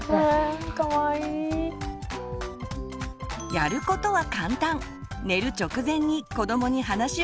やることは簡単！